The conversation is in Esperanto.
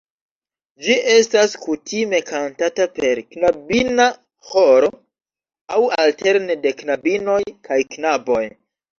Ĝi estas kutime kantata per knabina ĥoro aŭ alterne de knabinoj kaj knaboj.